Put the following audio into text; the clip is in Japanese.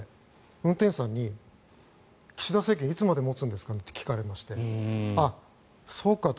運転手さんに、岸田政権いつまで持つんですかね？って聞かれまして、あっ、そうかと。